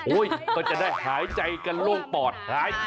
โอ้ยก็จะได้หายใจกันล่วงปลอดภัย